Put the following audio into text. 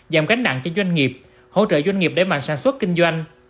giảm gánh nặng cho doanh nghiệp hỗ trợ doanh nghiệp đẩy mạnh sản xuất kinh doanh